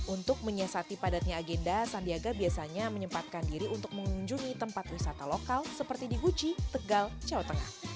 untuk menyiasati padatnya agenda sandiaga biasanya menyempatkan diri untuk mengunjungi tempat wisata lokal seperti di guci tegal jawa tengah